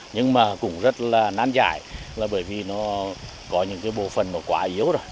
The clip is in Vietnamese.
nhưng mà cũng rất là nán giải là bởi vì nó có những cái bộ phần quá yếu rồi